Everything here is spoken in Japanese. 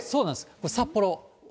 これ、札幌。